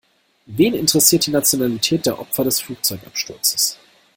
Wen interessiert die Nationalität der Opfer des Flugzeugabsturzes?